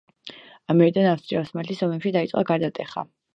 ამიერიდან ავსტრია-ოსმალეთის ომებში დაიწყო გარდატეხა.